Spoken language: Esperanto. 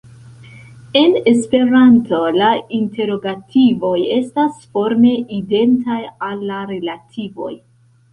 En Esperanto, la interogativoj estas forme identaj al la rilativoj.